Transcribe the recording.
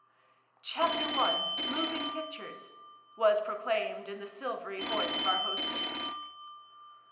"Chapter One! Moving Pictures!" was pro claimed in the silvery voice of our hostess.